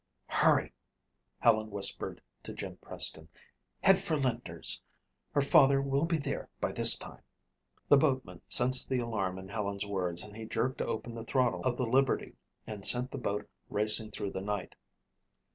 "Hurry," Helen whispered to Jim Preston. "Head for Linder's. Her father will be there by this time." The boatman sensed the alarm in Helen's words and he jerked open the throttle of the Liberty and sent the boat racing through the night.